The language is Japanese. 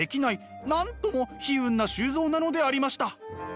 なんとも悲運な周造なのでありました。